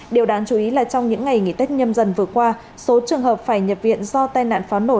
điều đáng chú ý là trong những ngày nghỉ tết nhâm dần vừa qua số trường hợp phải nhập viện do tai nạn pháo nổ